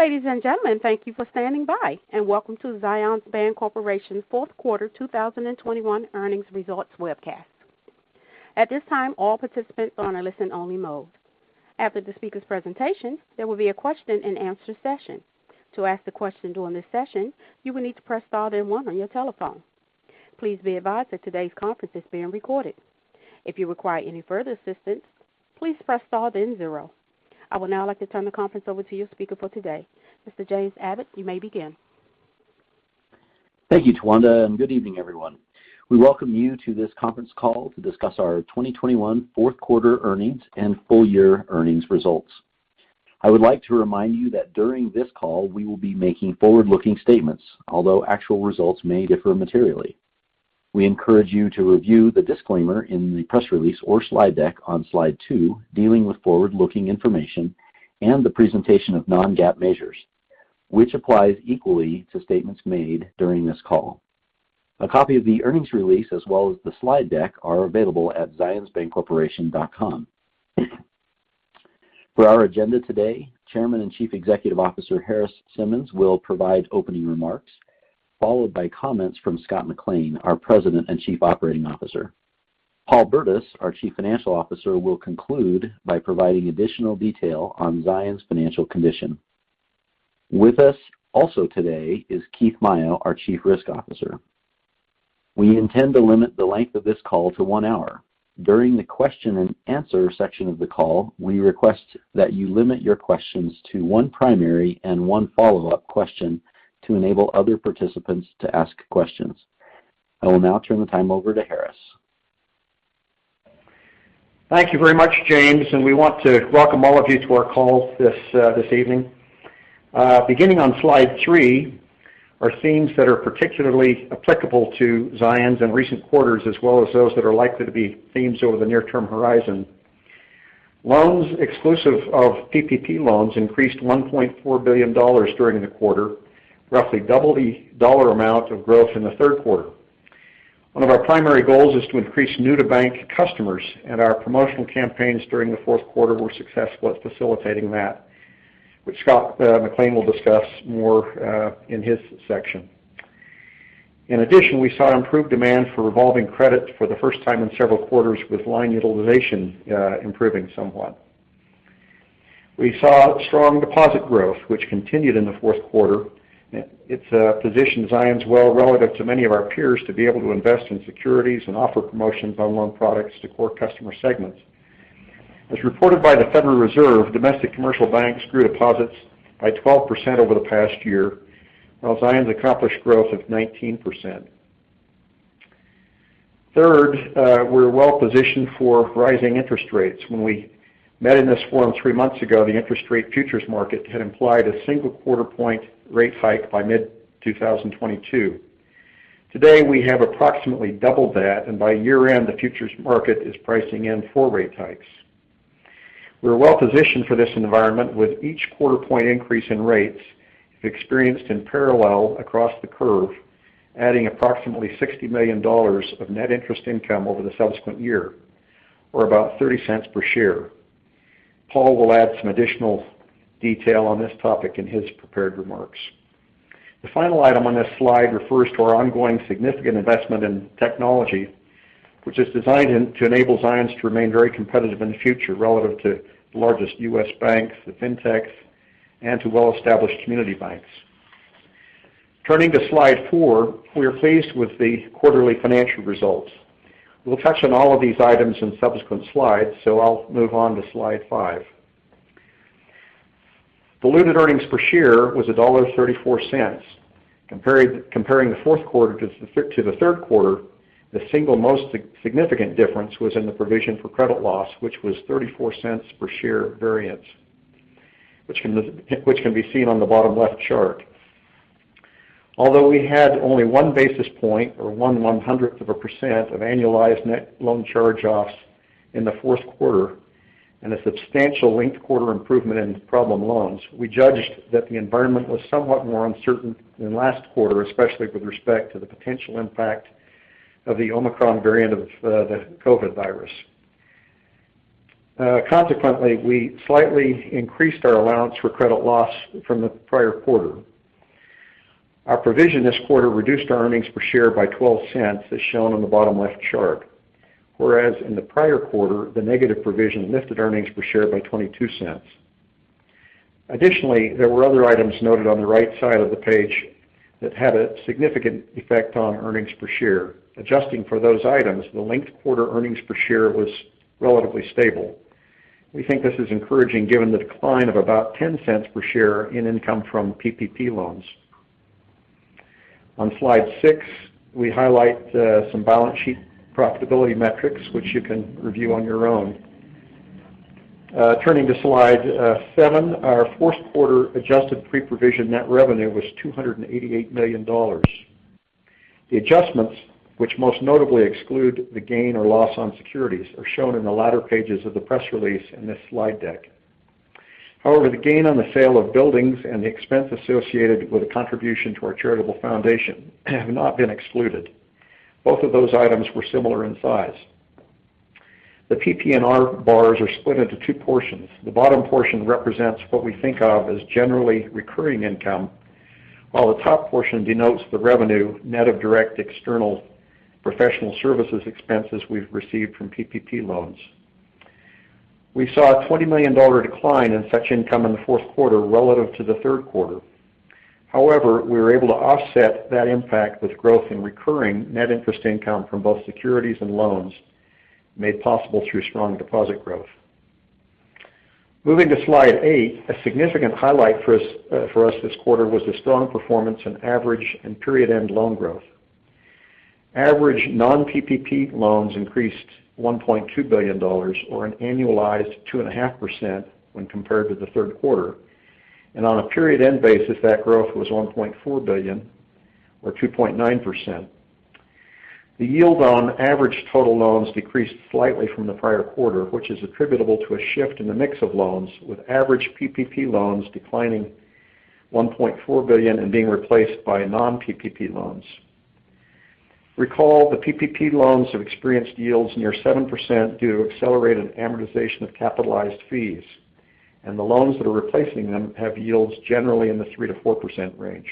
Ladies and gentlemen, thank you for standing by, and welcome to Zions Bancorporation's Q4 2021 earnings results webcast. At this time, all participants are in a listen-only mode. After the speaker's presentation, there will be a question-and-answer session. To ask a question during this session, you will need to press star then one on your telephone. Please be advised that today's conference is being recorded. If you require any further assistance, please press star then zero. I would now like to turn the conference over to your speaker for today. Mr. James Abbott, you may begin. Thank you, Tawanda, and good evening, everyone. We welcome you to this conference call to discuss our 2021 Q4 earnings and full year earnings results. I would like to remind you that during this call we will be making forward-looking statements, although actual results may differ materially. We encourage you to review the disclaimer in the press release or slide deck on slide two, dealing with forward-looking information and the presentation of non-GAAP measures, which applies equally to statements made during this call. A copy of the earnings release as well as the slide deck are available at zionsbancorporation.com. For our agenda today, Chairman and Chief Executive Officer Harris Simmons will provide opening remarks, followed by comments from Scott McLean, our President and Chief Operating Officer. Paul Burdiss, our Chief Financial Officer, will conclude by providing additional detail on Zions financial condition. With us also today is Keith Maio, our Chief Risk Officer. We intend to limit the length of this call to one hour. During the question-and-answer section of the call, we request that you limit your questions to one primary and one follow-up question to enable other participants to ask questions. I will now turn the time over to Harris. Thank you very much, James, and we want to welcome all of you to our call this evening. Beginning on slide three are themes that are particularly applicable to Zions in recent quarters, as well as those that are likely to be themes over the near-term horizon. Loans exclusive of PPP loans increased $1.4 billion during the quarter, roughly double the dollar amount of growth in the Q3. One of our primary goals is to increase new-to-bank customers, and our promotional campaigns during the Q4 were successful at facilitating that, which Scott McLean will discuss more in his section. In addition, we saw improved demand for revolving credit for the first time in several quarters, with line utilization improving somewhat. We saw strong deposit growth, which continued in the Q4. It positions Zions well relative to many of our peers to be able to invest in securities and offer promotions on loan products to core customer segments. As reported by the Federal Reserve, domestic commercial banks grew deposits by 12% over the past year, while Zions accomplished growth of 19%. Third, we're well-positioned for rising interest rates. When we met in this forum three months ago, the interest rate futures market had implied a single quarter point rate hike by mid-2022. Today, we have approximately doubled that, and by year-end, the futures market is pricing in four rate hikes. We're well-positioned for this environment, with each quarter point increase in rates experienced in parallel across the curve, adding approximately $60 million of net interest income over the subsequent year, or about $0.30 per share. Paul will add some additional detail on this topic in his prepared remarks. The final item on this slide refers to our ongoing significant investment in technology, which is designed to enable Zions to remain very competitive in the future relative to the largest U.S. banks, the fintechs, and to well-established community banks. Turning to slide four, we are pleased with the quarterly financial results. We'll touch on all of these items in subsequent slides, so I'll move on to slide four. Diluted earnings per share was $1.34. Comparing the Q4 to the Q3, the single most significant difference was in the provision for credit loss, which was 34 cents per share variance, which can be seen on the bottom left chart. Although we had only one basis point or one one-hundredth of a percent of annualized net loan charge-offs in the Q4 and a substantial linked quarter improvement in problem loans, we judged that the environment was somewhat more uncertain than last quarter, especially with respect to the potential impact of the Omicron variant of the COVID virus. Consequently, we slightly increased our allowance for credit loss from the prior quarter. Our provision this quarter reduced our earnings per share by $0.12, as shown on the bottom left chart. Whereas in the prior quarter, the negative provision lifted earnings per share by $0.22. Additionally, there were other items noted on the right side of the page that had a significant effect on earnings per share. Adjusting for those items, the linked quarter earnings per share was relatively stable. We think this is encouraging given the decline of about $0.10 per share in income from PPP loans. On slide six, we highlight some balance sheet profitability metrics, which you can review on your own. Turning to slide seven, our Q4 adjusted pre-provision net revenue was $288 million. The adjustments, which most notably exclude the gain or loss on securities, are shown in the latter pages of the press release in this slide deck. However, the gain on the sale of buildings and the expense associated with a contribution to our charitable foundation have not been excluded. Both of those items were similar in size. The PPNR bars are split into two portions. The bottom portion represents what we think of as generally recurring income, while the top portion denotes the revenue net of direct external professional services expenses we've received from PPP loans. We saw a $20 million decline in such income in the Q4 relative to the Q3 However, we were able to offset that impact with growth in recurring net interest income from both securities and loans made possible through strong deposit growth. Moving to slide eight, a significant highlight for us this quarter was the strong performance in average and period-end loan growth. Average non-PPP loans increased $1.2 billion or an annualized 2.5% when compared to the Q3. On a period-end basis, that growth was $1.4 billion or 2.9%. The yield on average total loans decreased slightly from the prior quarter, which is attributable to a shift in the mix of loans, with average PPP loans declining $1.4 billion and being replaced by non-PPP loans. Recall, the PPP loans have experienced yields near 7% due to accelerated amortization of capitalized fees, and the loans that are replacing them have yields generally in the 3%-4% range.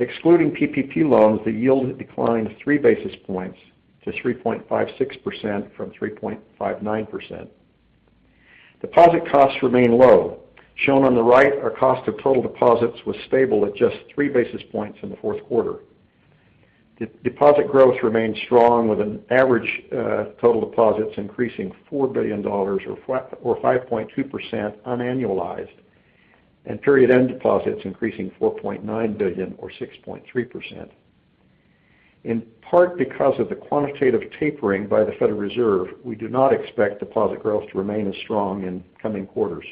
Excluding PPP loans, the yield declined 3 basis points to 3.56% from 3.59%. Deposit costs remain low. Shown on the right, our cost of total deposits was stable at just 3 basis points in the Q4. The deposit growth remained strong with an average total deposits increasing $4 billion or 5.2% unannualized, and period-end deposits increasing $4.9 billion or 6.3%. In part because of the quantitative tapering by the Federal Reserve, we do not expect deposit growth to remain as strong in coming quarters.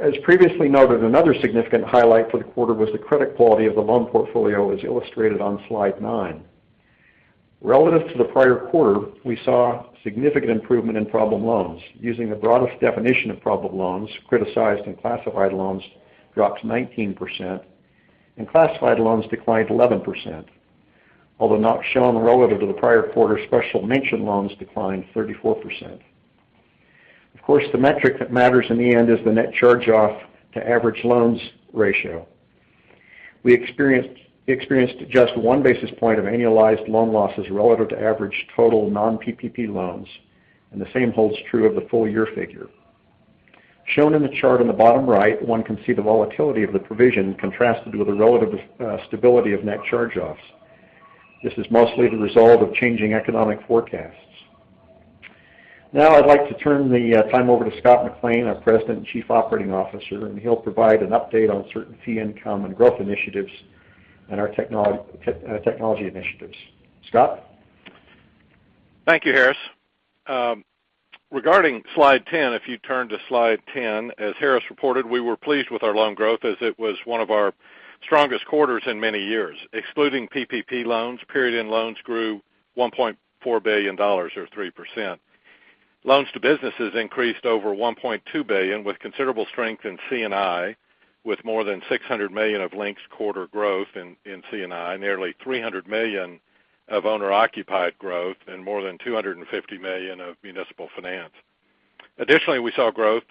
As previously noted, another significant highlight for the quarter was the credit quality of the loan portfolio as illustrated on slide nine. Relative to the prior quarter, we saw significant improvement in problem loans. Using the broadest definition of problem loans, criticized and classified loans dropped 19%, and classified loans declined 11%. Although not shown relative to the prior quarter, special mention loans declined 34%. Of course, the metric that matters in the end is the net charge-off to average loans ratio. We experienced just one basis point of annualized loan losses relative to average total non-PPP loans, and the same holds true of the full year figure. Shown in the chart on the bottom right, one can see the volatility of the provision contrasted with the relative stability of net charge-offs. This is mostly the result of changing economic forecasts. Now I'd like to turn the time over to Scott McLean, our President and Chief Operating Officer, and he'll provide an update on certain fee income and growth initiatives and our technology initiatives. Scott? Thank you, Harris. Regarding slide 10, if you turn to slide 10, as Harris reported, we were pleased with our loan growth as it was one of our strongest quarters in many years. Excluding PPP loans, period-end loans grew $1.4 billion or 3%. Loans to businesses increased over $1.2 billion, with considerable strength in C&I, with more than $600 million of linked-quarter growth in C&I, nearly $300 million of owner-occupied growth and more than $250 million of municipal finance. Additionally, we saw growth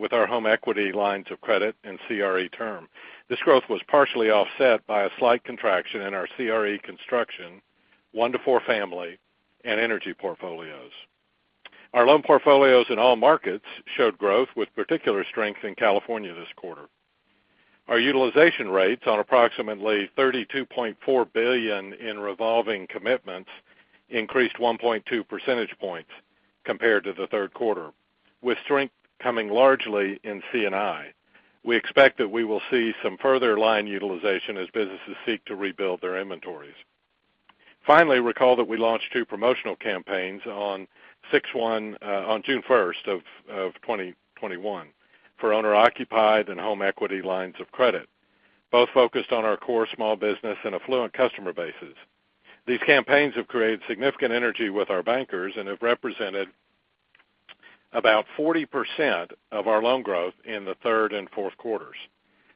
with our home equity lines of credit and CRE term. This growth was partially offset by a slight contraction in our CRE construction, one to four family and energy portfolios. Our loan portfolios in all markets showed growth with particular strength in California this quarter. Our utilization rates on approximately $32.4 billion in revolving commitments increased 1.2 percentage points compared to the Q3, with strength coming largely in C&I. We expect that we will see some further line utilization as businesses seek to rebuild their inventories. Finally, recall that we launched two promotional campaigns on June first of 2021 for owner-occupied and home equity lines of credit, both focused on our core small business and affluent customer bases. These campaigns have created significant energy with our bankers and have represented about 40% of our loan growth in the Q3 and Q4.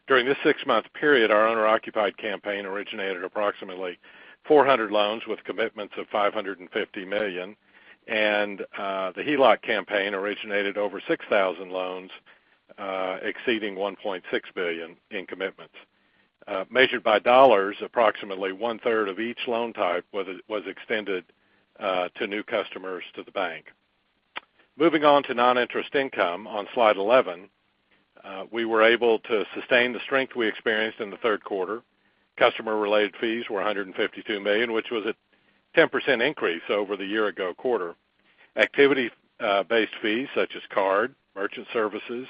During this six-month period, our owner-occupied campaign originated approximately 400 loans with commitments of $550 million, and the HELOC campaign originated over 6,000 loans, exceeding $1.6 billion in commitments. Measured by dollars, approximately one-third of each loan type was extended to new customers to the bank. Moving on to non-interest income on slide 11, we were able to sustain the strength we experienced in the Q3. Customer-related fees were $152 million, which was a 10% increase over the year-ago quarter. Activity-based fees such as card, merchant services,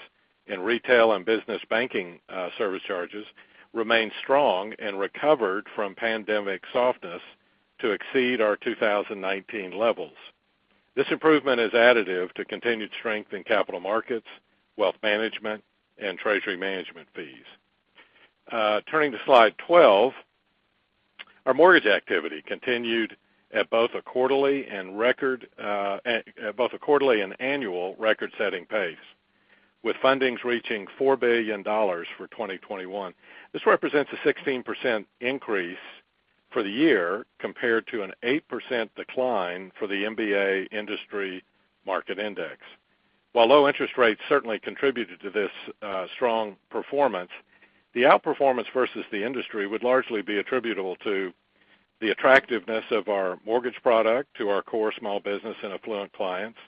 and retail and business banking service charges remained strong and recovered from pandemic softness to exceed our 2019 levels. This improvement is additive to continued strength in capital markets, wealth management, and treasury management fees. Turning to slide 12, our mortgage activity continued at both a quarterly and annual record-setting pace. With fundings reaching $4 billion for 2021. This represents a 16% increase for the year compared to an 8% decline for the MBA industry market index. While low interest rates certainly contributed to this strong performance, the outperformance versus the industry would largely be attributable to the attractiveness of our mortgage product to our core small business and affluent clients.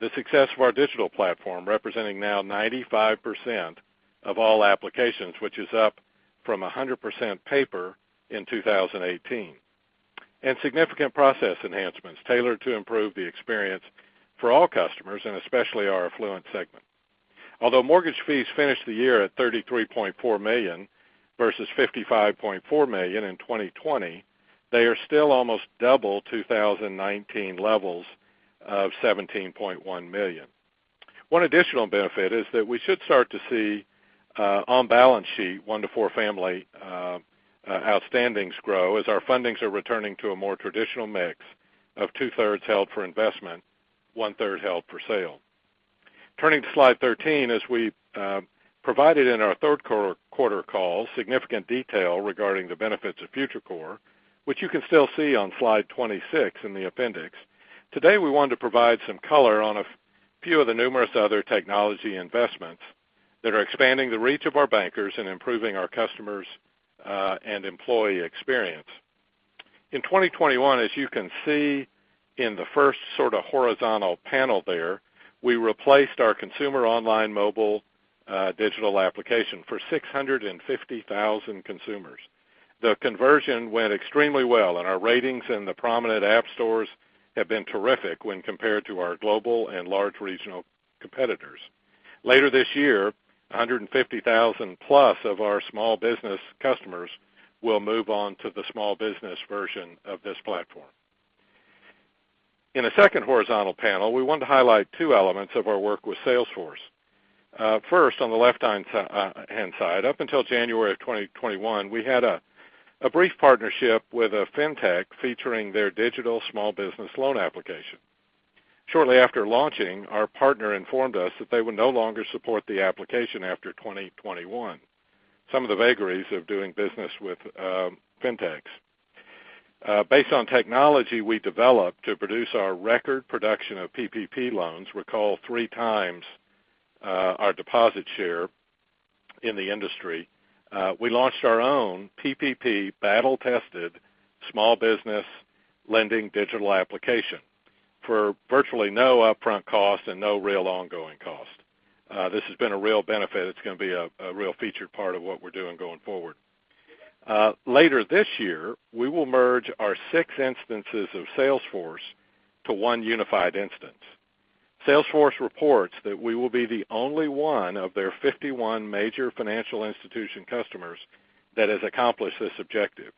The success of our digital platform, representing now 95% of all applications, which is up from 100% paper in 2018. Significant process enhancements tailored to improve the experience for all customers and especially our affluent segment. Although mortgage fees finished the year at $33.4 million versus $55.4 million in 2020, they are still almost double 2019 levels of $17.1 million. One additional benefit is that we should start to see on balance sheet one to four family outstandings grow as our fundings are returning to a more traditional mix of two-thirds held for investment, one-third held for sale. Turning to slide 13, as we provided in our Q3 call, significant detail regarding the benefits of FutureCore, which you can still see on slide 26 in the appendix. Today, we want to provide some color on a few of the numerous other technology investments that are expanding the reach of our bankers and improving our customers and employee experience. In 2021, as you can see in the first sort of horizontal panel there, we replaced our consumer online mobile digital application for 650,000 consumers. The conversion went extremely well, and our ratings in the prominent app stores have been terrific when compared to our global and large regional competitors. Later this year, 150,000+ of our small business customers will move on to the small business version of this platform. In the second horizontal panel, we want to highlight two elements of our work with Salesforce. First, on the left-hand side, up until January of 2021, we had a brief partnership with a fintech featuring their digital small business loan application. Shortly after launching, our partner informed us that they would no longer support the application after 2021. Some of the vagaries of doing business with fintechs. Based on technology we developed to produce our record production of PPP loans, which was 3x our deposit share in the industry, we launched our own PPP battle-tested small business lending digital application for virtually no upfront cost and no real ongoing cost. This has been a real benefit. It's gonna be a real featured part of what we're doing going forward. Later this year, we will merge our six instances of Salesforce to one unified instance. Salesforce reports that we will be the only one of their 51 major financial institution customers that has accomplished this objective.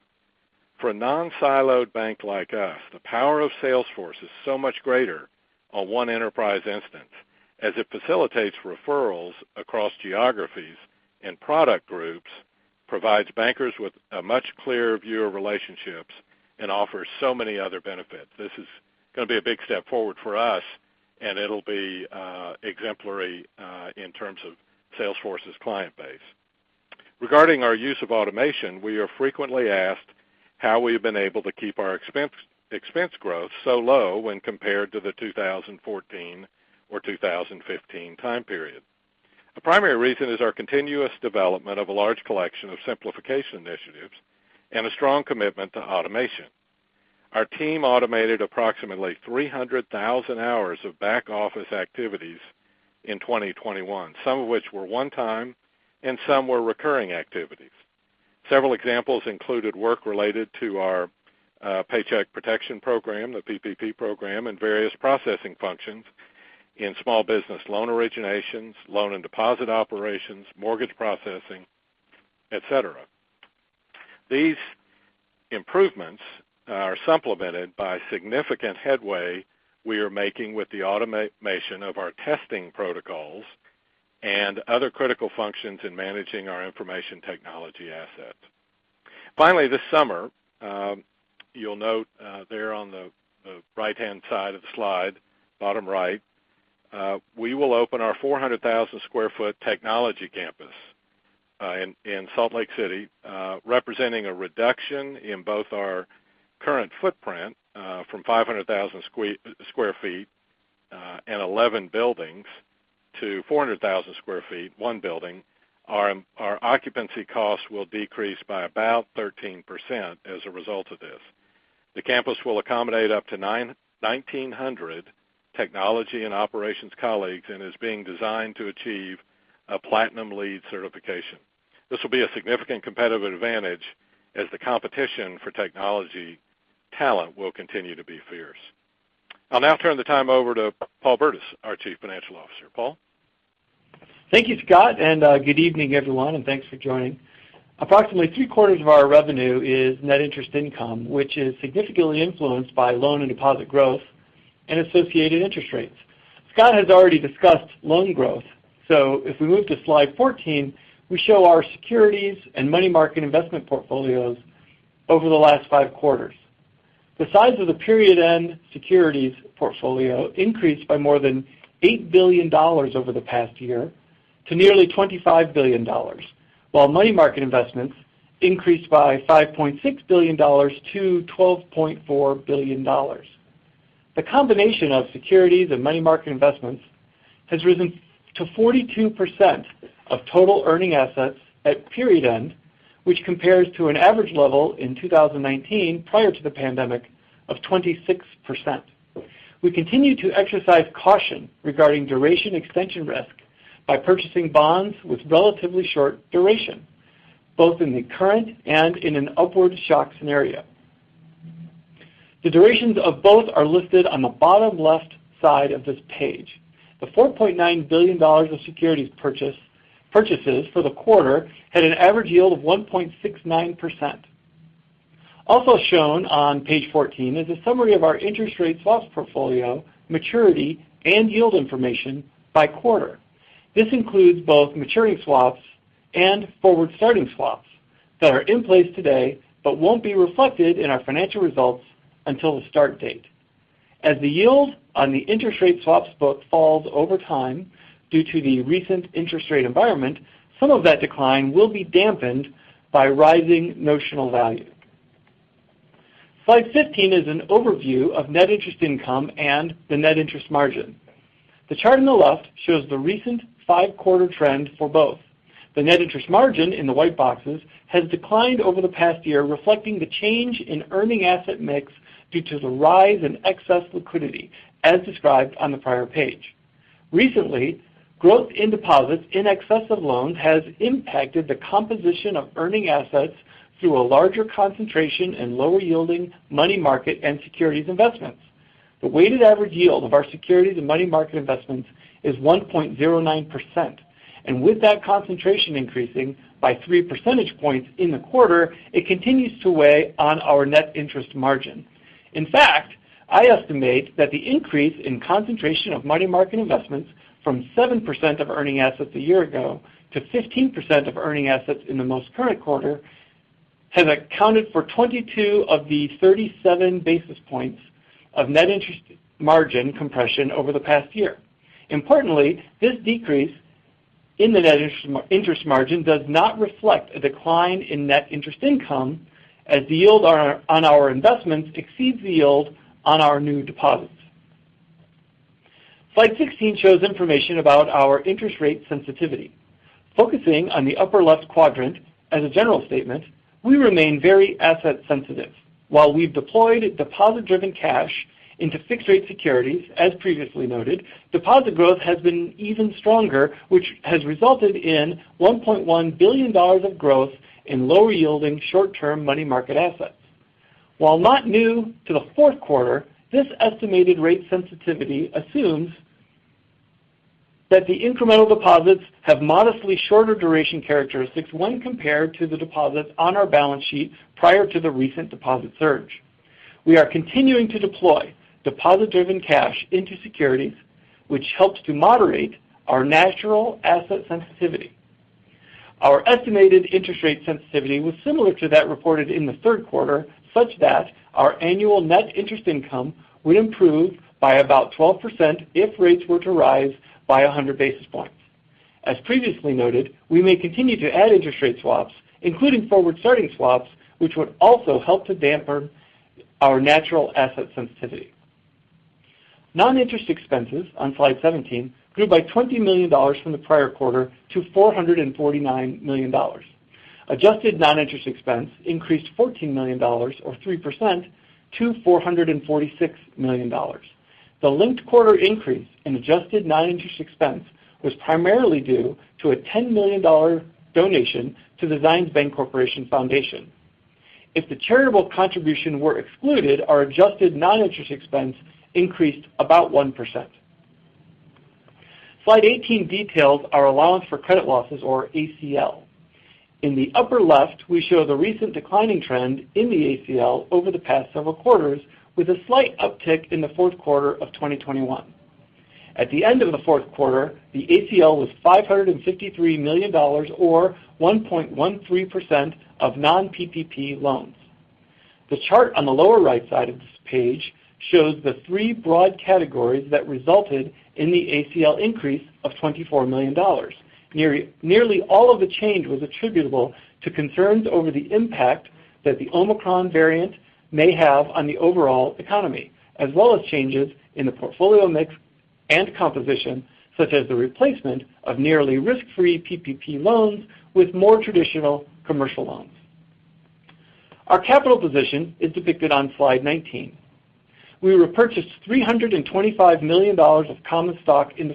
For a non-siloed bank like us, the power of Salesforce is so much greater on one enterprise instance as it facilitates referrals across geographies and product groups, provides bankers with a much clearer view of relationships, and offers so many other benefits. This is gonna be a big step forward for us, and it'll be exemplary in terms of Salesforce's client base. Regarding our use of automation, we are frequently asked how we've been able to keep our expense growth so low when compared to the 2014 or 2015 time period. The primary reason is our continuous development of a large collection of simplification initiatives and a strong commitment to automation. Our team automated approximately 300,000 hours of back-office activities in 2021, some of which were one-time and some were recurring activities. Several examples included work related to our Paycheck Protection Program, the PPP program, and various processing functions in small business loan originations, loan and deposit operations, mortgage processing, et cetera. These improvements are supplemented by significant headway we are making with the automation of our testing protocols and other critical functions in managing our information technology assets. Finally, this summer, you'll note there on the right-hand side of the slide, bottom right, we will open our 400,000 sq ft technology campus in Salt Lake City, representing a reduction in both our current footprint from 500,000 sq ft and 11 buildings to 400,000 sq ft, one building. Our occupancy costs will decrease by about 13% as a result of this. The campus will accommodate up to 1,900 technology and operations colleagues and is being designed to achieve a platinum LEED certification. This will be a significant competitive advantage as the competition for technology talent will continue to be fierce. I'll now turn the time over to Paul Burdiss, our Chief Financial Officer. Paul? Thank you, Scott, and good evening, everyone, and thanks for joining. Approximately three-quarters of our revenue is net interest income, which is significantly influenced by loan and deposit growth and associated interest rates. Scott has already discussed loan growth. If we move to slide 14, we show our securities and money market investment portfolios over the last five quarters. The size of the period-end securities portfolio increased by more than $8 billion over the past year to nearly $25 billion, while money market investments increased by $5.6 billion to $12.4 billion. The combination of securities and money market investments has risen to 42% of total earning assets at period end, which compares to an average level in 2019, prior to the pandemic, of 26%. We continue to exercise caution regarding duration extension risk by purchasing bonds with relatively short duration, both in the current and in an upward shock scenario. The durations of both are listed on the bottom left side of this page. The $4.9 billion of securities purchases for the quarter had an average yield of 1.69%. Also shown on page 14 is a summary of our interest rate swaps portfolio maturity and yield information by quarter. This includes both maturity swaps and forward-starting swaps that are in place today but won't be reflected in our financial results until the start date. As the yield on the interest rate swaps book falls over time due to the recent interest rate environment, some of that decline will be dampened by rising notional value. Slide 15 is an overview of net interest income and the net interest margin. The chart on the left shows the recent five quarter trend for both. The net interest margin in the white boxes has declined over the past year, reflecting the change in earning asset mix due to the rise in excess liquidity, as described on the prior page. Recently, growth in deposits in excess of loans has impacted the composition of earning assets through a larger concentration in lower-yielding money market and securities investments. The weighted average yield of our securities and money market investments is 1.09%. With that concentration increasing by three percentage points in the quarter, it continues to weigh on our net interest margin. In fact, I estimate that the increase in concentration of money market investments from 7% of earning assets a year ago to 15% of earning assets in the most current quarter has accounted for 22 of the 37 basis points of net interest margin compression over the past year. Importantly, this decrease in the net interest interest margin does not reflect a decline in net interest income as the yield on our investments exceeds the yield on our new deposits. Slide 16 shows information about our interest rate sensitivity. Focusing on the upper left quadrant as a general statement, we remain very asset sensitive. While we've deployed deposit-driven cash into fixed-rate securities, as previously noted, deposit growth has been even stronger, which has resulted in $1.1 billion of growth in lower-yielding short-term money market assets. While not new to the Q4, this estimated rate sensitivity assumes that the incremental deposits have modestly shorter duration characteristics when compared to the deposits on our balance sheet prior to the recent deposit surge. We are continuing to deploy deposit-driven cash into securities, which helps to moderate our natural asset sensitivity. Our estimated interest rate sensitivity was similar to that reported in the Q3, such that our annual net interest income would improve by about 12% if rates were to rise by 100 basis points. As previously noted, we may continue to add interest rate swaps, including forward-starting swaps, which would also help to dampen our natural asset sensitivity. Noninterest expenses on slide 17 grew by $20 million from the prior quarter to $449 million. Adjusted non-interest expense increased $14 million or 3% to $446 million. The linked-quarter increase in adjusted non-interest expense was primarily due to a $10 million donation to the Zions Bancorporation Foundation. If the charitable contribution were excluded, our adjusted non-interest expense increased about 1%. Slide 18 details our allowance for credit losses or ACL. In the upper left, we show the recent declining trend in the ACL over the past several quarters, with a slight uptick in the Q4 of 2021. At the end of the Q3, the ACL was $553 million, or 1.13% of non-PPP loans. The chart on the lower right side of this page shows the three broad categories that resulted in the ACL increase of $24 million. Nearly all of the change was attributable to concerns over the impact that the Omicron variant may have on the overall economy, as well as changes in the portfolio mix and composition, such as the replacement of nearly risk-free PPP loans with more traditional commercial loans. Our capital position is depicted on slide 19. We repurchased $325 million of common stock in the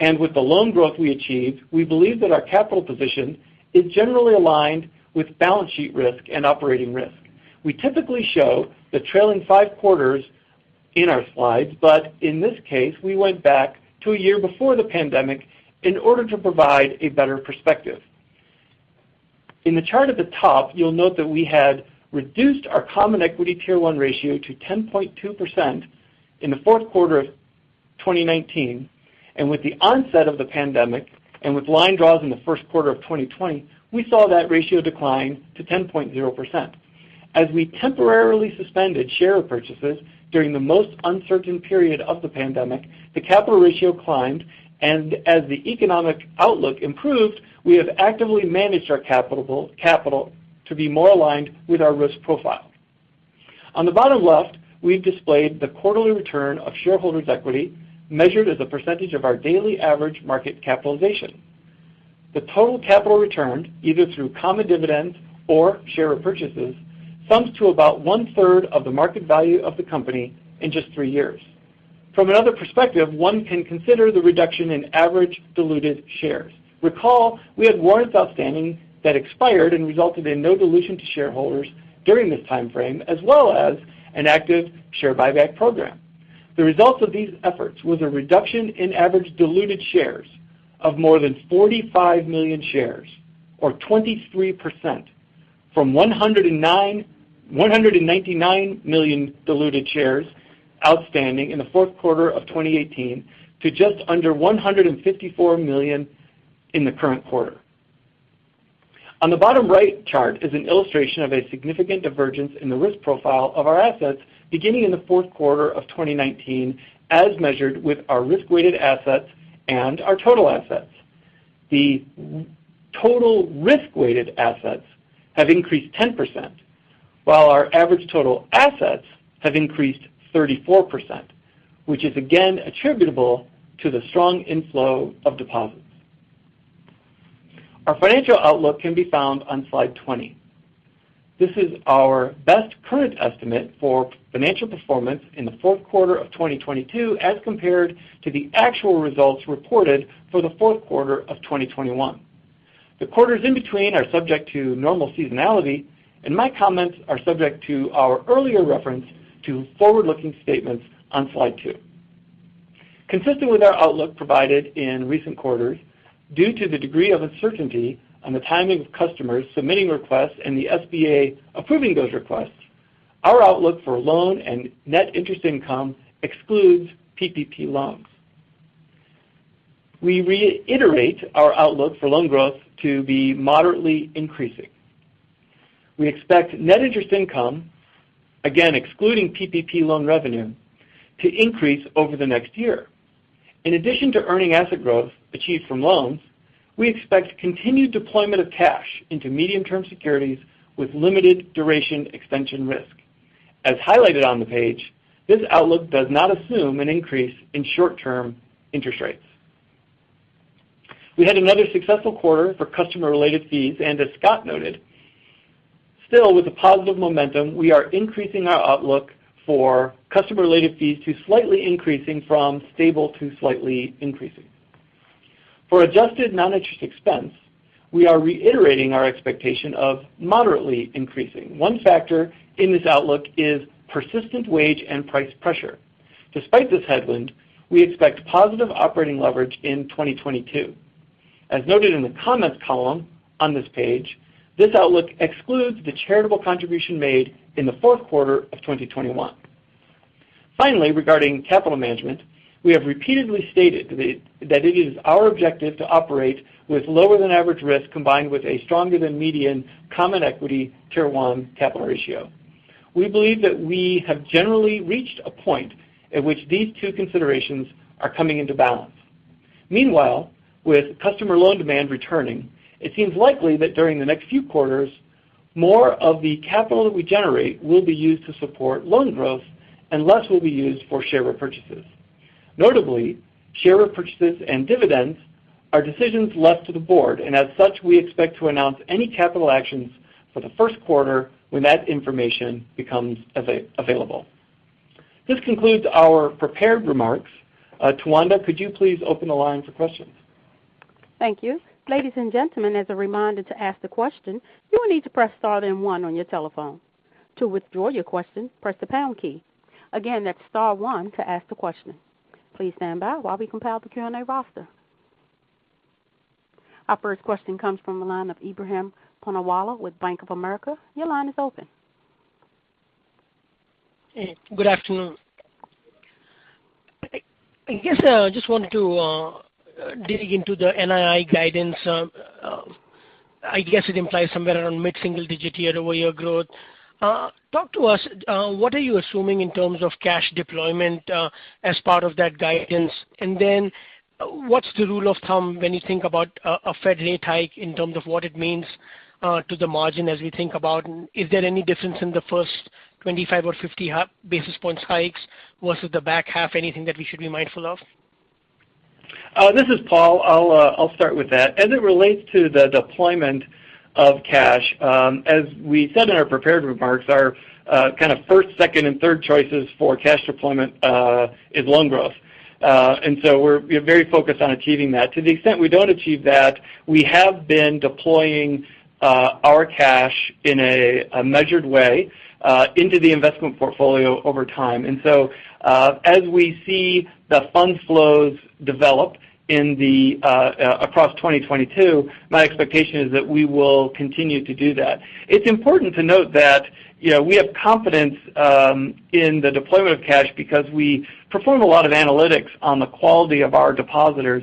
Q4. With the loan growth we achieved, we believe that our capital position is generally aligned with balance sheet risk and operating risk. We typically show the trailing five quarters in our slides, but in this case, we went back to a year before the pandemic in order to provide a better perspective. In the chart at the top, you'll note that we had reduced our Common Equity Tier 1 ratio to 10.2% in the Q4 of 2019, and with the onset of the pandemic and with line draws in the Q1 of 2020, we saw that ratio decline to 10.0%. As we temporarily suspended share purchases during the most uncertain period of the pandemic, the capital ratio climbed, and as the economic outlook improved, we have actively managed our capital to be more aligned with our risk profile. On the bottom left, we've displayed the quarterly return of shareholders' equity, measured as a percentage of our daily average market capitalization. The total capital returned, either through common dividends or share repurchases, sums to about one-third of the market value of the company in just three years. From another perspective, one can consider the reduction in average diluted shares. Recall, we had warrants outstanding that expired and resulted in no dilution to shareholders during this time frame, as well as an active share buyback program. The results of these efforts was a reduction in average diluted shares of more than 45 million shares, or 23%, from 199 million diluted shares outstanding in the Q4 of 2018 to just under 154 million in the current quarter. On the bottom right chart is an illustration of a significant divergence in the risk profile of our assets beginning in the Q4 of 2019, as measured with our risk-weighted assets and our total assets. The total risk-weighted assets have increased 10%, while our average total assets have increased 34%, which is again attributable to the strong inflow of deposits. Our financial outlook can be found on slide 20. This is our best current estimate for financial performance in the Q4 of 2022 as compared to the actual results reported for the Q4 of 2021. The quarters in between are subject to normal seasonality, and my comments are subject to our earlier reference to forward-looking statements on slide two. Consistent with our outlook provided in recent quarters, due to the degree of uncertainty on the timing of customers submitting requests and the SBA approving those requests, our outlook for loan and net interest income excludes PPP loans. We reiterate our outlook for loan growth to be moderately increasing. We expect net interest income, again excluding PPP loan revenue, to increase over the next year. In addition to earning asset growth achieved from loans, we expect continued deployment of cash into medium-term securities with limited duration extension risk. As highlighted on the page, this outlook does not assume an increase in short-term interest rates. We had another successful quarter for customer-related fees, and as Scott noted, still with a positive momentum, we are increasing our outlook for customer-related fees to slightly increasing from stable to slightly increasing. For adjusted non-interest expense, we are reiterating our expectation of moderately increasing. One factor in this outlook is persistent wage and price pressure. Despite this headwind, we expect positive operating leverage in 2022. As noted in the comments column on this page, this outlook excludes the charitable contribution made in the Q4 of 2021. Finally, regarding capital management, we have repeatedly stated that it is our objective to operate with lower than average risk combined with a stronger than median Common Equity Tier 1 capital ratio. We believe that we have generally reached a point at which these two considerations are coming into balance. Meanwhile, with customer loan demand returning, it seems likely that during the next few quarters, more of the capital that we generate will be used to support loan growth and less will be used for share repurchases. Notably, share repurchases and dividends are decisions left to the board, and as such, we expect to announce any capital actions for the Q1 when that information becomes available. This concludes our prepared remarks. Tawanda, could you please open the line for questions? Thank you. Ladies and gentlemen, as a reminder to ask the question, you will need to press star then one on your telephone. To withdraw your question, press the pound key. Again, that's star one to ask the question. Please stand by while we compile the Q&A roster. Our first question comes from the line of Ebrahim Poonawala with Bank of America. Your line is open. Good afternoon. I guess I just wanted to dig into the NII guidance. I guess it implies somewhere around mid-single digit year-over-year growth. Talk to us, what are you assuming in terms of cash deployment as part of that guidance? Then what's the rule of thumb when you think about a Fed late hike in terms of what it means to the margin as we think about. Is there any difference in the first 25 or 50 basis points hikes versus the back half? Anything that we should be mindful of? This is Paul. I'll start with that. As it relates to the deployment of cash, as we said in our prepared remarks, our kind of first, second, and third choices for cash deployment is loan growth. We're very focused on achieving that. To the extent we don't achieve that, we have been deploying our cash in a measured way into the investment portfolio over time. As we see the fund flows develop across 2022, my expectation is that we will continue to do that. It's important to note that, you know, we have confidence in the deployment of cash because we perform a lot of analytics on the quality of our depositors.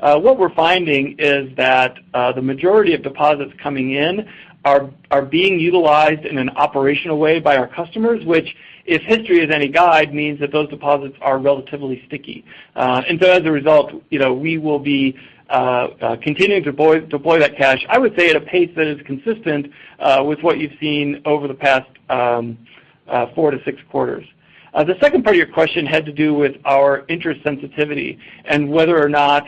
What we're finding is that the majority of deposits coming in are being utilized in an operational way by our customers, which, if history is any guide, means that those deposits are relatively sticky. As a result, you know, we will be continuing to deploy that cash, I would say, at a pace that is consistent with what you've seen over the past four to six quarters. The second part of your question had to do with our interest sensitivity and whether or not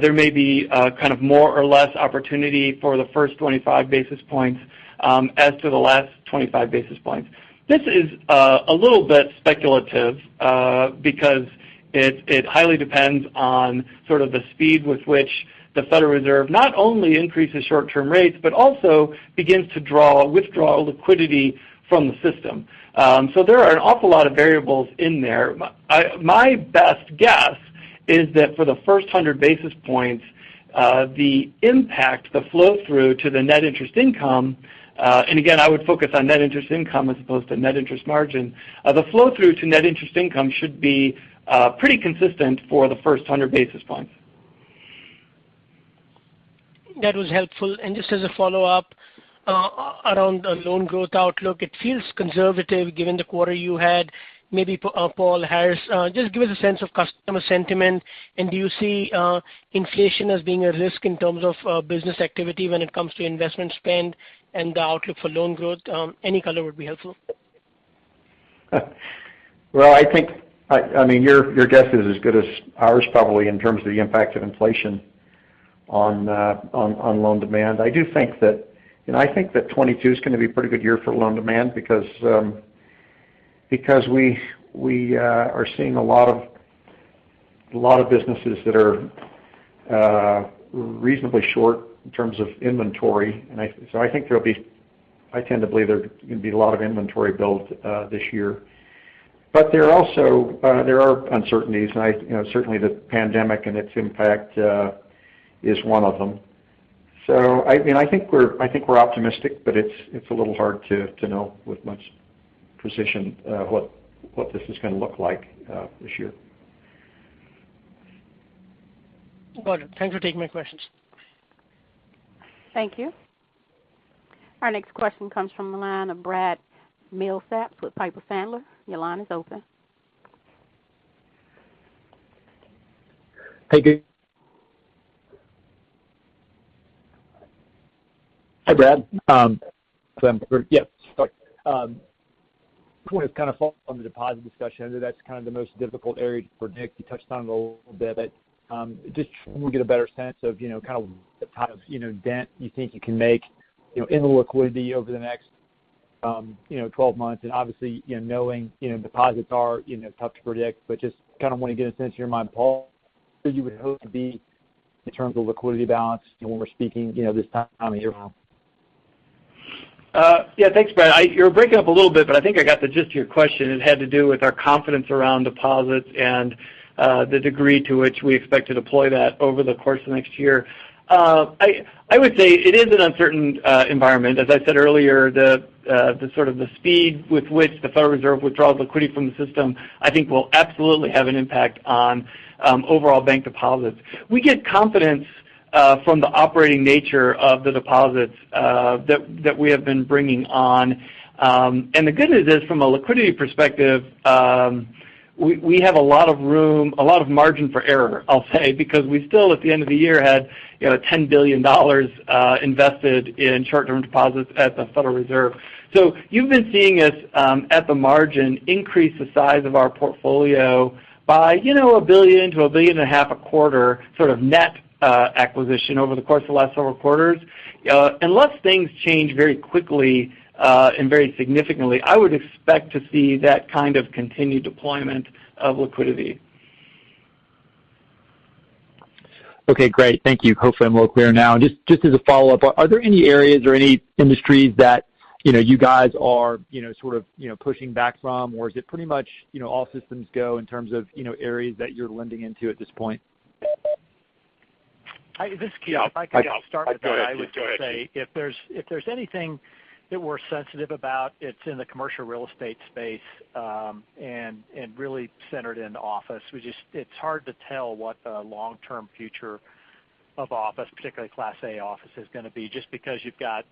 there may be kind of more or less opportunity for the first 25 basis points as to the last 25 basis points. This is a little bit speculative, because it highly depends on sort of the speed with which the Federal Reserve not only increases short-term rates, but also begins to withdraw liquidity from the system. There are an awful lot of variables in there. My best guess is that for the first 100 basis points, the impact, the flow through to the net interest income, and again, I would focus on net interest income as opposed to net interest margin. The flow through to net interest income should be pretty consistent for the first 100 basis points. That was helpful. Just as a follow-up, around the loan growth outlook, it feels conservative given the quarter you had. Maybe for Paul, Harris, just give us a sense of customer sentiment, and do you see, inflation as being a risk in terms of, business activity when it comes to investment spend and the outlook for loan growth? Any color would be helpful. I mean, your guess is as good as ours probably in terms of the impact of inflation on loan demand. I think that 2022 is gonna be a pretty good year for loan demand because we are seeing a lot of businesses that are reasonably short in terms of inventory. I tend to believe there's gonna be a lot of inventory build this year. There are uncertainties, and I you know, certainly the pandemic and its impact is one of them. I mean, I think we're optimistic, but it's a little hard to know with much precision what this is gonna look like this year. Got it. Thanks for taking my questions. Thank you. Our next question comes from the line of Brad Milsaps with Piper Sandler. Your line is open. Hey, good. Hi, Brad. Yeah. Sorry. I just kind of follow on the deposit discussion. I know that's kind of the most difficult area to predict. You touched on it a little bit, but just can we get a better sense of, you know, kind of the type of, you know, dent you think you can make, you know, in the liquidity over the next, you know, 12 months. Obviously, you know, knowing, you know, deposits are, you know, tough to predict, but just kind of want to get a sense in your mind, Paul, where you would hope to be in terms of liquidity balance, you know, when we're speaking, you know, this time of year now. Yeah, thanks, Brad. You're breaking up a little bit, but I think I got the gist of your question. It had to do with our confidence around deposits and the degree to which we expect to deploy that over the course of next year. I would say it is an uncertain environment. As I said earlier, the speed with which the Federal Reserve withdraws liquidity from the system, I think will absolutely have an impact on overall bank deposits. We get confidence from the operating nature of the deposits that we have been bringing on. The good news is, from a liquidity perspective, we have a lot of room, a lot of margin for error, I'll say, because we still, at the end of the year, had, you know, $10 billion invested in short-term deposits at the Federal Reserve. You've been seeing us, at the margin, increase the size of our portfolio by, you know, $1 billion-$1.5 billion a quarter sort of net acquisition over the course of the last several quarters. Unless things change very quickly and very significantly, I would expect to see that kind of continued deployment of liquidity. Okay, great. Thank you. Hopefully, I'm a little clearer now. Just as a follow-up, are there any areas or any industries that, you know, you guys are, you know, sort of, you know, pushing back from, or is it pretty much, you know, all systems go in terms of, you know, areas that you're lending into at this point? This is Keith. If I could just start with that, I would say if there's anything that we're sensitive about, it's in the commercial real estate space, and really centered in office. It's hard to tell what the long-term future of office, particularly Class A office, is gonna be just because you've got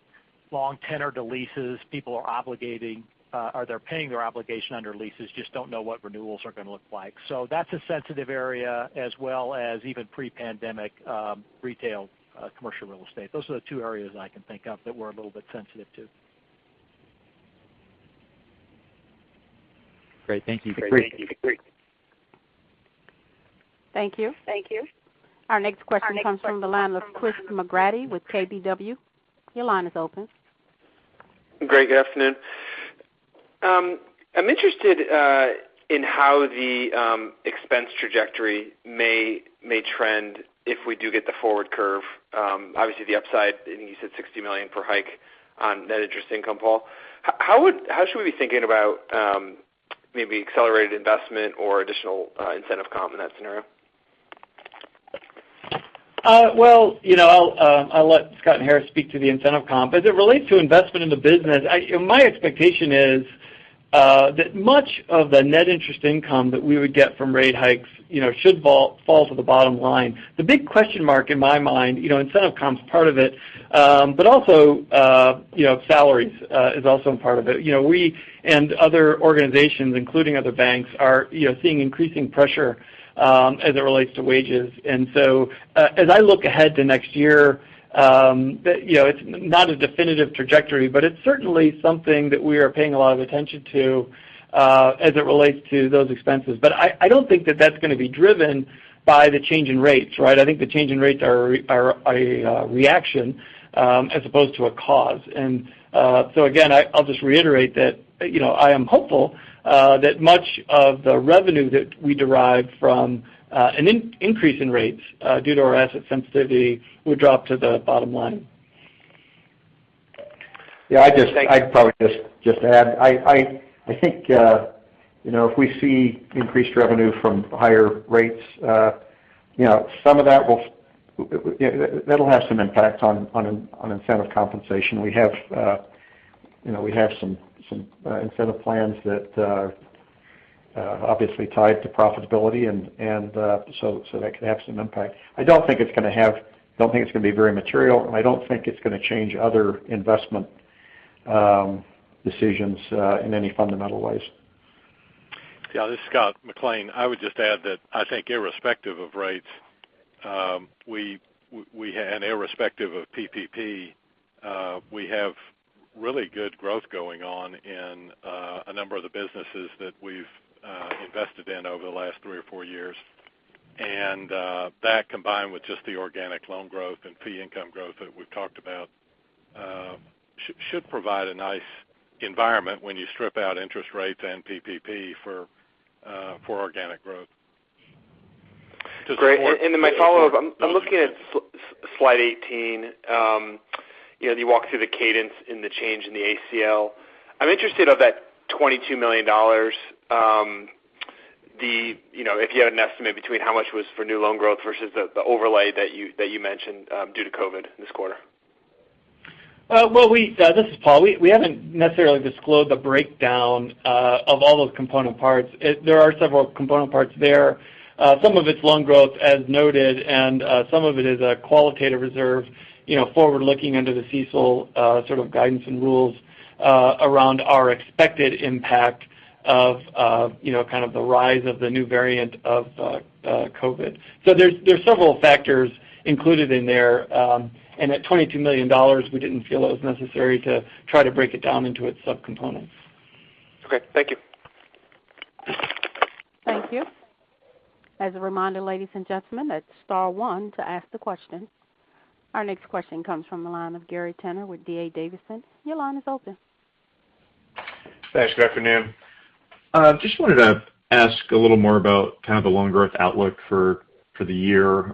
long tenured leases. People are obligating, or they're paying their obligation under leases, just don't know what renewals are gonna look like. That's a sensitive area as well as even pre-pandemic, retail, commercial real estate. Those are the two areas that I can think of that we're a little bit sensitive to. Great. Thank you. Thank you. Our next question comes from the line of Chris McGratty with KBW. Your line is open. Greg, good afternoon. I'm interested in how the expense trajectory may trend if we do get the forward curve. Obviously the upside, I think you said $60 million per hike on net interest income, Paul. How should we be thinking about maybe accelerated investment or additional incentive comp in that scenario? Well, you know, I'll let Scott and Harris speak to the incentive comp. As it relates to investment in the business, my expectation is that much of the net interest income that we would get from rate hikes, you know, should fall to the bottom line. The big question mark in my mind, you know, incentive comp is part of it, but also, you know, salaries is also a part of it. You know, we and other organizations, including other banks are seeing increasing pressure as it relates to wages. As I look ahead to next year, you know, it's not a definitive trajectory, but it's certainly something that we are paying a lot of attention to as it relates to those expenses. I don't think that that's gonna be driven by the change in rates, right? I think the change in rates are a reaction as opposed to a cause. Again, I'll just reiterate that, you know, I am hopeful that much of the revenue that we derive from an increase in rates due to our asset sensitivity would drop to the bottom line. I'd probably just add. I think, you know, if we see increased revenue from higher rates, you know, some of that will, that'll have some impact on incentive compensation. We have some incentive plans that are obviously tied to profitability and so that could have some impact. I don't think it's gonna be very material, and I don't think it's gonna change other investment decisions in any fundamental ways. Yeah, this is Scott McLean. I would just add that I think irrespective of rates, we and irrespective of PPP, we have really good growth going on in a number of the businesses that we've invested in over the last three or four years. That combined with just the organic loan growth and fee income growth that we've talked about should provide a nice environment when you strip out interest rates and PPP for organic growth. Great. My follow-up, I'm looking at slide 18. You know, you walk through the cadence in the change in the ACL. I'm interested in that $22 million, you know, if you have an estimate between how much was for new loan growth versus the overlay that you mentioned due to COVID this quarter. Well, this is Paul. We haven't necessarily disclosed the breakdown of all those component parts. There are several component parts there. Some of it's loan growth as noted, and some of it is a qualitative reserve, you know, forward-looking under the CECL sort of guidance and rules around our expected impact of, you know, kind of the rise of the new variant of COVID. There's several factors included in there. At $22 million, we didn't feel it was necessary to try to break it down into its subcomponents. Okay. Thank you. Thank you. As a reminder, ladies and gentlemen, it's star one to ask the question. Our next question comes from the line of Gary Tenner with D.A. Davidson. Your line is open. Thanks. Good afternoon. Just wanted to ask a little more about kind of the loan growth outlook for the year.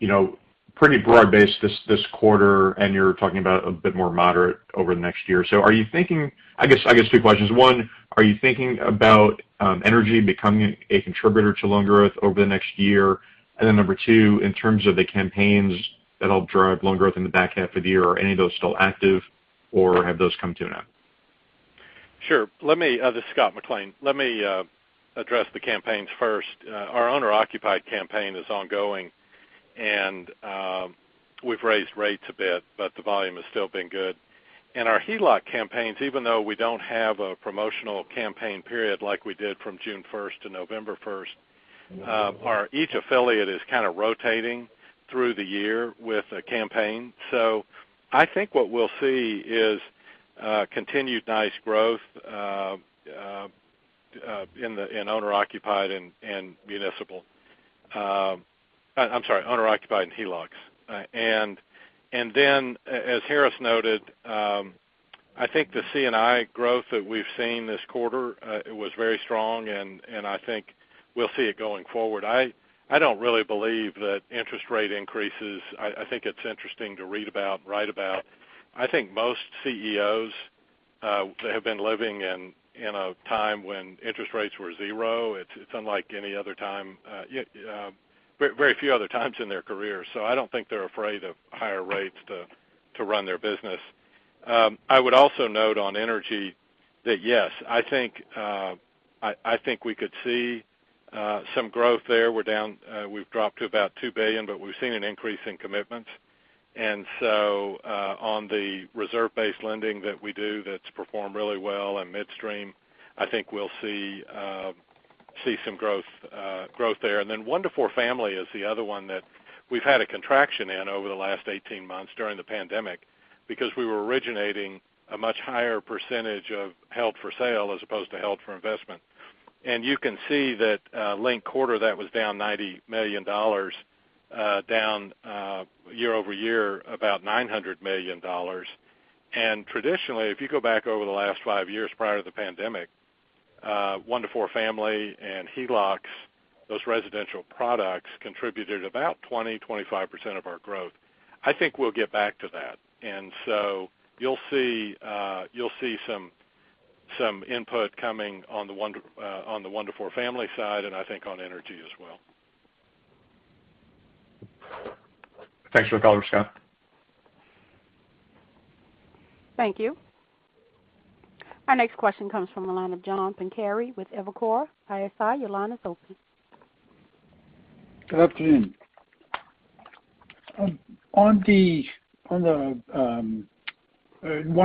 You know, pretty broad-based this quarter, and you're talking about a bit more moderate over the next year. Are you thinking, I guess two questions. One, are you thinking about energy becoming a contributor to loan growth over the next year? And then number two, in terms of the campaigns that'll drive loan growth in the back half of the year, are any of those still active or have those come to an end? Sure. Let me this is Scott McLean. Let me address the campaigns first. Our owner-occupied campaign is ongoing and we've raised rates a bit, but the volume has still been good. Our HELOC campaigns, even though we don't have a promotional campaign period like we did from June 1st to November 1st, each affiliate is kind of rotating through the year with a campaign. I think what we'll see is continued nice growth in owner-occupied and municipal. I'm sorry, owner-occupied and HELOCs. And then as Harris noted, I think the C&I growth that we've seen this quarter, it was very strong and I think we'll see it going forward. I don't really believe that interest rate increases. I think it's interesting to read about and write about. I think most CEOs have been living in a time when interest rates were zero. It's unlike any other time, very few other times in their career. I don't think they're afraid of higher rates to run their business. I would also note on energy that, yes, I think we could see some growth there. We're down, we've dropped to about $2 billion, but we've seen an increase in commitments. On the reserve-based lending that we do that's performed really well in midstream, I think we'll see some growth there. One to four family is the other one that we've had a contraction in over the last 18 months during the pandemic because we were originating a much higher percentage of held for sale as opposed to held for investment. You can see that linked quarter that was down $90 million, down year over year about $900 million. Traditionally, if you go back over the last five years prior to the pandemic, one- to four-family and HELOCs, those residential products contributed about 20-25% of our growth. I think we'll get back to that. You'll see some input coming on the one- to four-family side, and I think on energy as well. Thanks for the color, Scott. Thank you. Our next question comes from the line of John Pancari with Evercore ISI. Your line is open. Good afternoon. On the one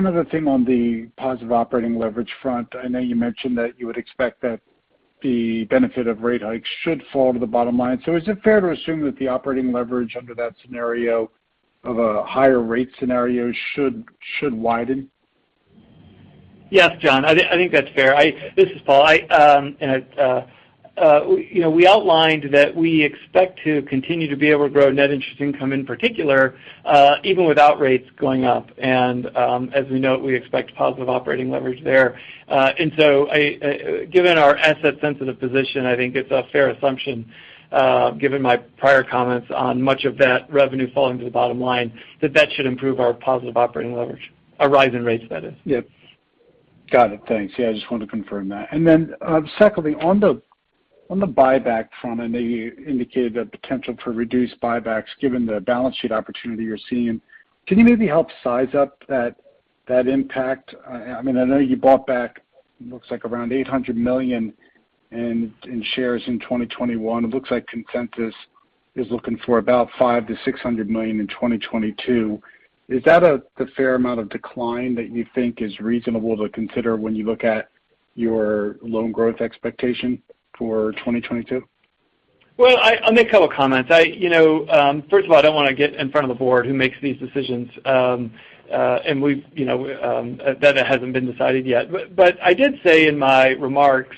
other thing on the positive operating leverage front. I know you mentioned that you would expect that the benefit of rate hikes should fall to the bottom line. Is it fair to assume that the operating leverage under that scenario of a higher rate scenario should widen? Yes, John. I think that's fair. This is Paul. I and it you know we outlined that we expect to continue to be able to grow net interest income in particular even without rates going up. As we note, we expect positive operating leverage there. Given our asset sensitive position, I think it's a fair assumption given my prior comments on much of that revenue falling to the bottom line, that should improve our positive operating leverage, a rise in rates, that is. Yep. Got it. Thanks. Yeah, I just wanted to confirm that. Then, secondly, on the buyback front, I know you indicated the potential for reduced buybacks given the balance sheet opportunity you're seeing. Can you maybe help size up that impact? I mean, I know you bought back, looks like around $800 million in shares in 2021. It looks like consensus is looking for about $500 million-$600 million in 2022. Is that the fair amount of decline that you think is reasonable to consider when you look at your loan growth expectation for 2022? Well, I'll make a couple comments. You know, first of all, I don't want to get in front of the board who makes these decisions. That hasn't been decided yet. But I did say in my remarks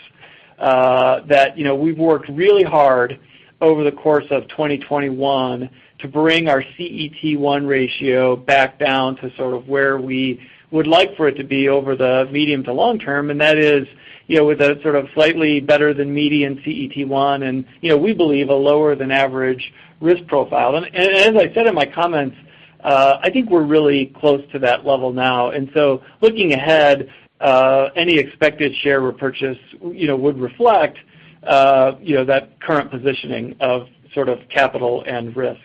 that, you know, we've worked really hard over the course of 2021 to bring our CET1 ratio back down to sort of where we would like for it to be over the medium to long term. That is, you know, with a sort of slightly better than median CET1 and, you know, we believe a lower than average risk profile. As I said in my comments, I think we're really close to that level now. Looking ahead, any expected share repurchase, you know, would reflect, you know, that current positioning of sort of capital and risk.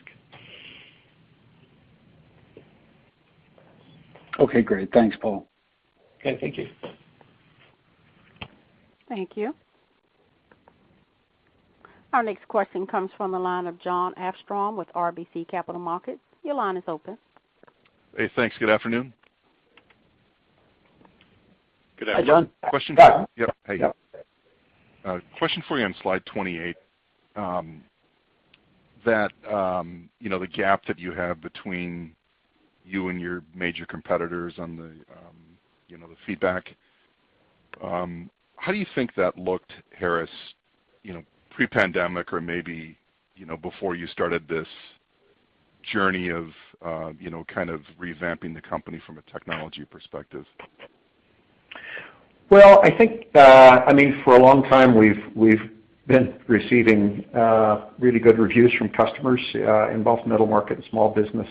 Okay, great. Thanks, Paul. Okay, thank you. Thank you. Our next question comes from the line of Jon Arfstrom with RBC Capital Markets. Your line is open. Hey, thanks. Good afternoon. Good afternoon. Question for you. Yep. Hey. A question for you on slide 28. You know, the gap that you have between you and your major competitors on the, you know, the feedback. How do you think that looked, Harris, you know, pre-pandemic or maybe, you know, before you started this journey of, you know, kind of revamping the company from a technology perspective? Well, I think, I mean, for a long time, we've been receiving really good reviews from customers in both middle market and small business.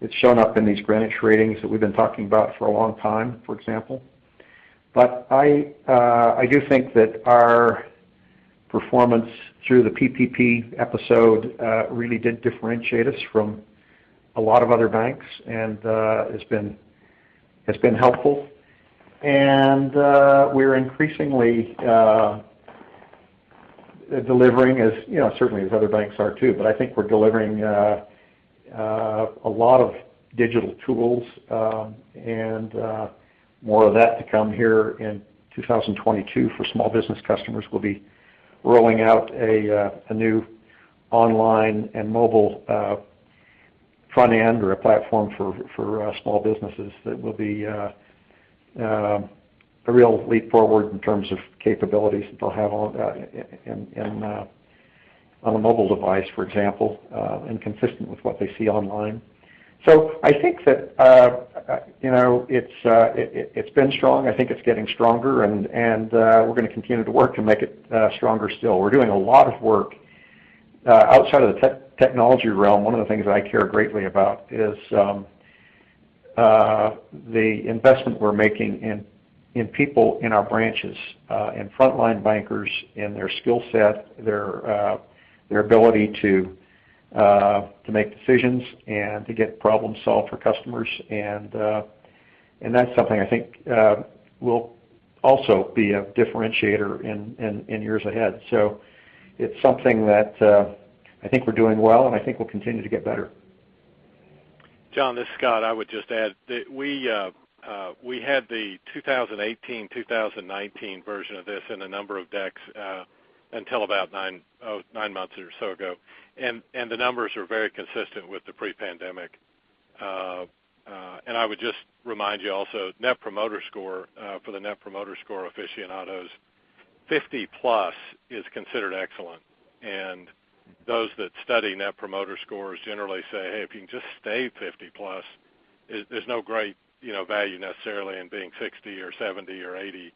It's shown up in these Greenwich ratings that we've been talking about for a long time, for example. I do think that our performance through the PPP episode really did differentiate us from a lot of other banks, and it's been helpful. We're increasingly delivering as, you know, certainly as other banks are too. I think we're delivering a lot of digital tools, and more of that to come here in 2022 for small business customers. We'll be rolling out a new online and mobile front end or a platform for small businesses that will be a real leap forward in terms of capabilities that they'll have on a mobile device, for example, and consistent with what they see online. I think that you know, it's been strong. I think it's getting stronger and we're gonna continue to work to make it stronger still. We're doing a lot of work outside of the technology realm. One of the things that I care greatly about is the investment we're making in people in our branches, in frontline bankers, in their skill set, their ability to make decisions and to get problems solved for customers. That's something I think will also be a differentiator in years ahead. It's something that I think we're doing well and I think will continue to get better. Jon, this is Scott. I would just add that we had the 2018, 2019 version of this in a number of decks until about nine months or so ago. The numbers are very consistent with the pre-pandemic and I would just remind you also, Net Promoter Score for the Net Promoter Score aficionados, 50+ is considered excellent. Those that study Net Promoter Scores generally say, "Hey, if you can just stay 50+, there's no great, you know, value necessarily in being 60 or 70 or 80.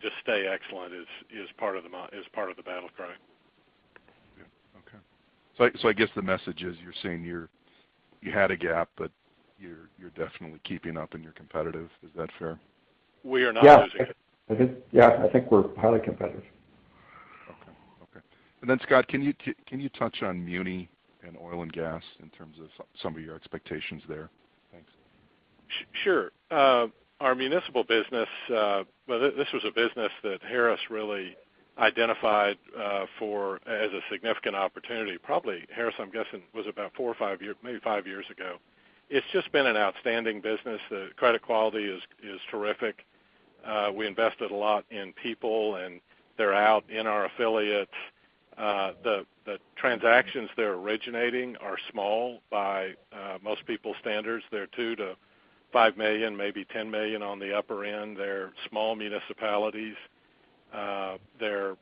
Just stay excellent," is part of the battle cry. Okay. I guess the message is you're saying you had a gap, but you're definitely keeping up and you're competitive. Is that fair? We are not losing it. Yeah. I think we're highly competitive. Okay. Scott, can you touch on muni and oil and gas in terms of some of your expectations there? Thanks. Sure. Our municipal business, well, this was a business that Harris really identified for as a significant opportunity. Probably, Harris, I'm guessing, was about four or five years, maybe five years ago. It's just been an outstanding business. The credit quality is terrific. We invested a lot in people, and they're out in our affiliates. The transactions they're originating are small by most people's standards. They're $2 million-$5 million, maybe $10 million on the upper end. They're small municipalities. They're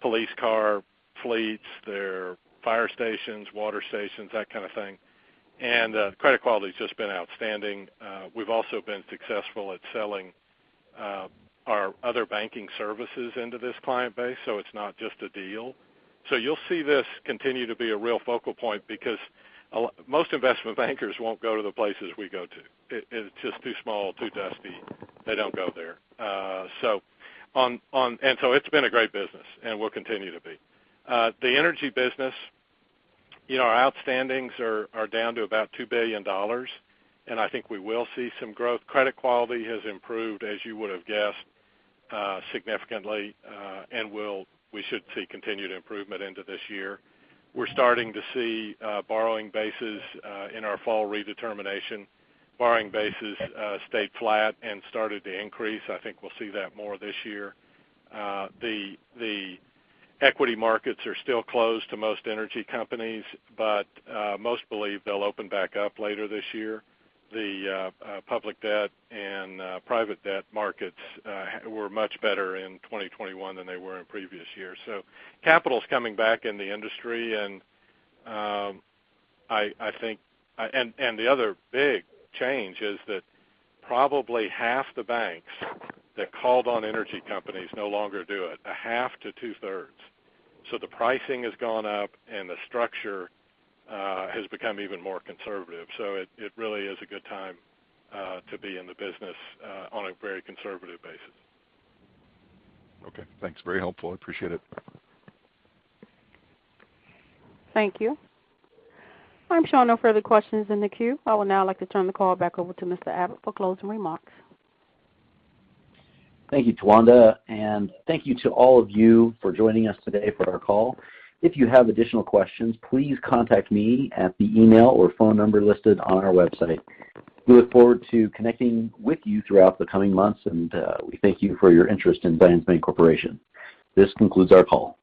police car fleets. They're fire stations, water stations, that kind of thing. Credit quality's just been outstanding. We've also been successful at selling our other banking services into this client base, so it's not just a deal. You'll see this continue to be a real focal point because most investment bankers won't go to the places we go to. It's just too small, too dusty. They don't go there. It's been a great business and will continue to be. The energy business, our outstandings are down to about $2 billion, and I think we will see some growth. Credit quality has improved, as you would have guessed, significantly, and we should see continued improvement into this year. We're starting to see borrowing bases in our fall redetermination. Borrowing bases stayed flat and started to increase. I think we'll see that more this year. The equity markets are still closed to most energy companies, but most believe they'll open back up later this year. The public debt and private debt markets were much better in 2021 than they were in previous years. Capital's coming back in the industry, and I think the other big change is that probably half the banks that called on energy companies no longer do it, a half to two-thirds. The pricing has gone up, and the structure has become even more conservative. It really is a good time to be in the business on a very conservative basis. Okay, thanks. Very helpful. I appreciate it. Thank you. I'm showing no further questions in the queue. I would now like to turn the call back over to Mr. Abbott for closing remarks. Thank you, Tawanda, and thank you to all of you for joining us today for our call. If you have additional questions, please contact me at the email or phone number listed on our website. We look forward to connecting with you throughout the coming months, and we thank you for your interest in Zions Bancorporation. This concludes our call.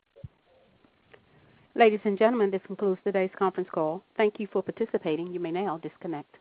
Ladies and gentlemen, this concludes today's conference call. Thank you for participating. You may now disconnect.